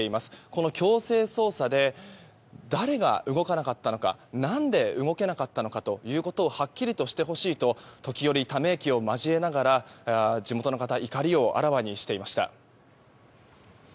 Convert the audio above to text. この強制捜査で誰が動かなかったのか何で動けなかったのかということをはっきりとしてほしいと時折、ため息を交えながら地元の方は怒りをあらわにしていました。